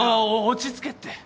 落ち着けって。